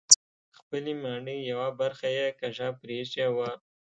خپلې ماڼۍ یوه برخه یې کږه پرېښې وه.